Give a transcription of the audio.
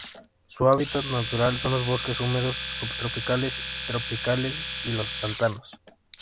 Su hábitat natural son los bosques húmedos subtropicales y tropicales, y los pantanos.